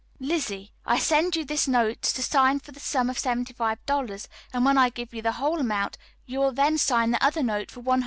"LIZZY: I send you this note to sign for the sum of $75, and when I give you the whole amount you will then sign the other note for $100.